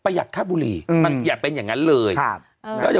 พยาบาททั้งการให้ประหยัดค่าบุหรี่อย่าเป็นอย่างนั้นเลย